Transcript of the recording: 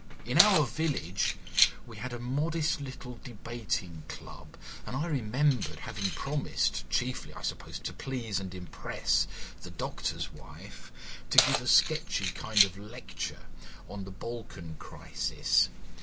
In our village we had a modest little debating club, and I remembered having promised, chiefly, I suppose, to please and impress the doctor's wife, to give a sketchy kind of lecture on the Balkan Crisis.